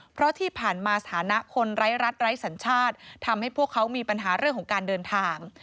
เพราะที่ผ่านมาสถานะคนไร้รัฐไร้สัญชาติทำให้พวกเขามีปัญหาเรื่องของการเดินทาง